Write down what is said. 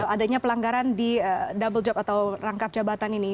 adanya pelanggaran di double job atau rangkap jabatan ini